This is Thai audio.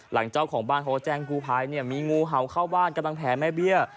เจ้าของบ้านเขาก็แจ้งกู้ภัยเนี่ยมีงูเห่าเข้าบ้านกำลังแผลแม่เบี้ย